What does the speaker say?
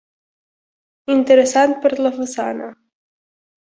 Interessant per la façana.